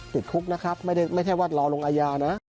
ติดคุกนะครับไม่ใช่ว่ารอลงอาญานะ